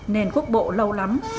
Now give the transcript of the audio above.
nên quốc bộ lâu lắm